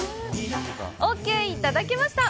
オーケーいただけました！